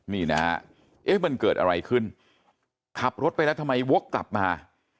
นี่นะฮะเอ๊ะมันเกิดอะไรขึ้นขับรถไปแล้วทำไมวกกลับมา